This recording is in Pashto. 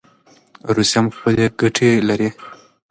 روسیه هم خپلي ګټي لري.